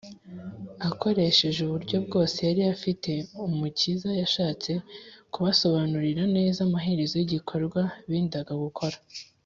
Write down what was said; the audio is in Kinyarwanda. akoresheje uburyo bwose yari afite, umukiza yashatse kubasobanurira neza amaherezo y’igikorwa bendaga gukora